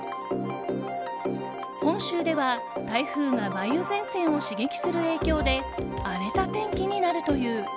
本州では台風が梅雨前線を刺激する影響で荒れた天気になるという。